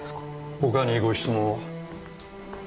他にご質問は？